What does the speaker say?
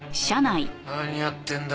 何やってんだ？